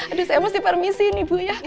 aduh saya mesti permisi nih bu ya